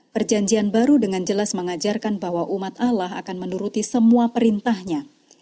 perjanjian baru dengan jelas mengajarkan bahwa umat allah akan menuruti semua perintahnya